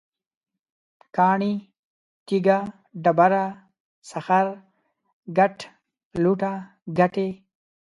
کاڼی، تیږه، ډبره، سخر، ګټ، لوټه، ګټی